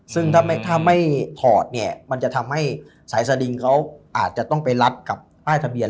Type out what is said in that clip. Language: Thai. ซึ่งถ้าไม่ถอดเนี่ยมันจะทำให้สายสดิงเขาอาจจะต้องไปรัดกับป้ายทะเบียน